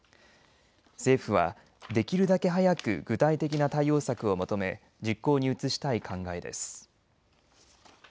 政府は、できるだけ早く具体的な対応策をまとめ実行に移したい考えです。